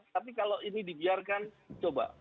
tapi kalau ini dibiarkan coba